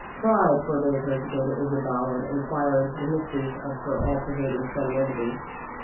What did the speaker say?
Pride forbade her to go to Isabel and inquire into the mysteries of her all pervading femininity.